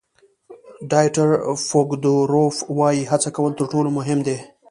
ډایټر فوکودروف وایي هڅه کول تر ټولو مهم دي.